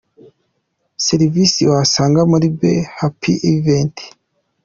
Serivisi wasanga muri Be Happy Event.